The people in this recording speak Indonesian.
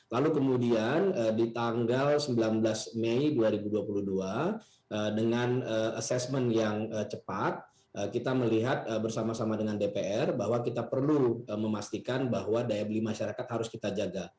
lalu kemudian di tanggal sembilan belas mei dua ribu dua puluh dua dengan assessment yang cepat kita melihat bersama sama dengan dpr bahwa kita perlu memastikan bahwa daya beli masyarakat harus kita jaga